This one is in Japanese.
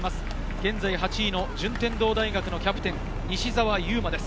現在８位の順天堂大学、キャプテン・西澤侑真です。